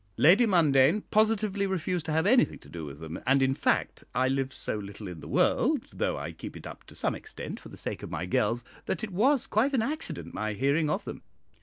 Lady Mundane positively refused to have anything to do with them, and, in fact, I live so little in the world, though I keep it up to some extent for the sake of my girls, that it was quite an accident my hearing of them.